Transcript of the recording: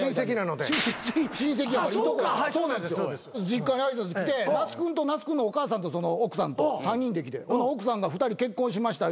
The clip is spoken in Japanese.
実家に挨拶来て那須君と那須君のお母さんと奥さんと３人で来て奥さんが「２人結婚しました」